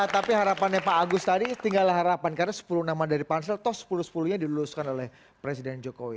tapi harapannya pak agus tadi tinggal harapan karena sepuluh nama dari pansel toh sepuluh sepuluh nya diluluskan oleh presiden jokowi